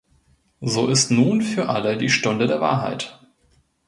So ist nun für alle die Stunde der Wahrheit.